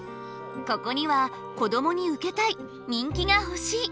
ここには「こどもにウケたい」「人気がほしい」